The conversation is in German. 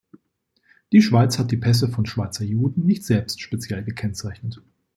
Die Schweiz hat die Pässe von Schweizer Juden nicht selbst speziell gekennzeichnet.